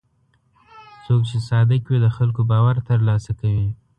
څوک چې صادق وي، د خلکو باور ترلاسه کوي.